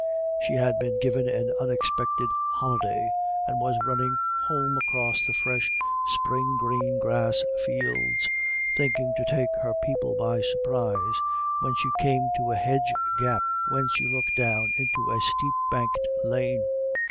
She had been given an unexpected holiday, and was running home across the fresh, spring green grass fields, thinking to take her people by surprise, when she came to a hedge gap whence you look down into a steep banked lane.